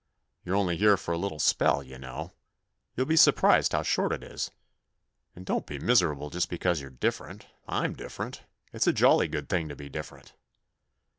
" You're only here for a little spell, you know ; you'll be surprised how short it is. And don't be miserable just because you're different. I'm different ; it's a jolly good thing to be different."